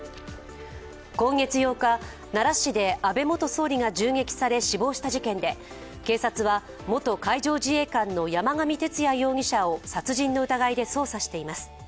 今月８日、奈良市で安倍元総理が銃撃され死亡した事件で警察は元海上自衛官の山上徹也容疑者を殺人の疑いで捜査しています。